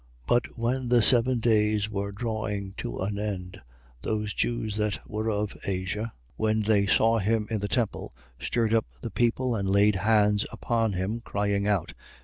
21:27. But when the seven days were drawing to an end, those Jews that were of Asia, when they saw him in the temple, stirred up all the people and laid hands upon him, crying out: 21:28.